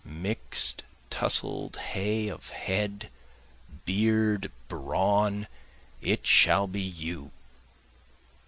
Mix'd tussled hay of head, beard, brawn, it shall be you!